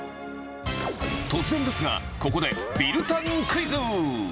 突然ですが、ここでビル探クイズ。